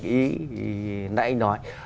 cái ý nãy anh nói